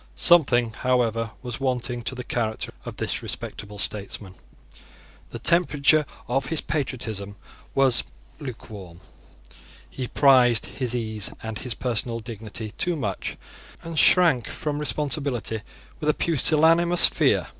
Something, however, was wanting to the character of this respectable statesman. The temperature of his patriotism was lukewarm. He prized his ease and his personal dignity too much, and shrank from responsibility with a pusillanimous fear.